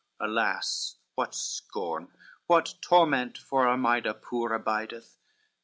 alas, what scorn, What torment for Armida poor abideth?